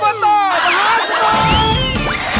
อบตมหาสนุก